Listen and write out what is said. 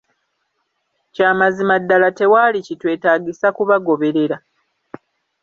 Kya mazima ddala tewaali kitwetaagisa kubagoberera